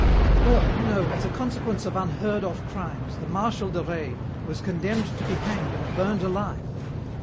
"Well, you know, as a consequence of unheard of crimes, the Marshal de Rais was condemned to be hanged and burned alive.